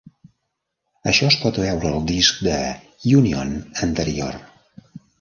Això es pot veure al disc de Union anterior.